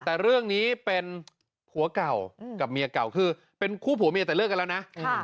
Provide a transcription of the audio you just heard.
แต่เรื่องนี้เป็นผัวเก่ากับเมียเก่าคือเป็นคู่ผัวเมียแต่เลิกกันแล้วนะ